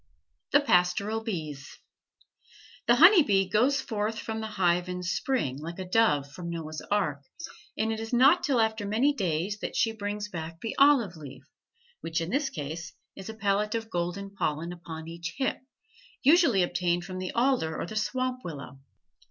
THE PASTORAL BEES The honey bee goes forth from the hive in spring like the dove from Noah's ark, and it is not till after many days that she brings back the olive leaf, which in this case is a pellet of golden pollen upon each hip, usually obtained from the alder or the swamp willow.